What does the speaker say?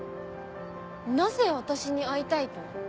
なぜ私に会いたいと？